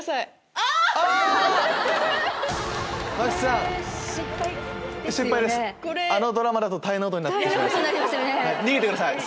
あのドラマだと大変なことになってしまいます。